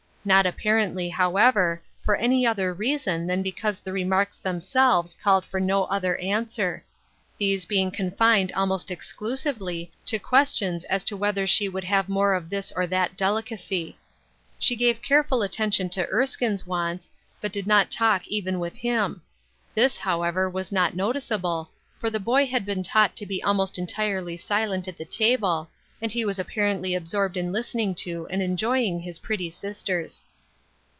Not apparently, however, for any other reason than because the remarks themselves called for no other answer ; these being confined almost exclusively to questions as to whether she would have more of this or that delicacy. She gave careful attention to Erskine's wants, but did not talk even with him. This, however, was not noticeable, for the boy had been taught to be almost entirely silent at the tabic, and he was AFTER SIX YEARS. II apparently absorbed in listening to and enjoying his pretty sisters.